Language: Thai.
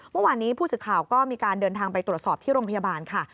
เมื่อวานนี้ผู้สื่อข่าวก็มีการเดินทางไปตรวจสอบที่โรงพยาบาลค่ะ